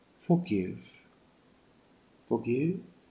Forgive." "Forgive?"